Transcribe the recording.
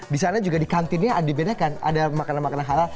di sana juga di kantinnya dibedakan ada makanan makanan halal